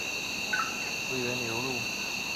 陶代尼的盐矿位于一个古老的咸水湖的湖底。